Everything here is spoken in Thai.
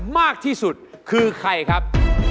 มากที่สุดคือใครครับ